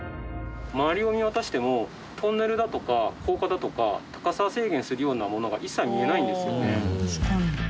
周りを見渡してもトンネルだとか高架だとか高さ制限するようなものが一切見えないんですよね。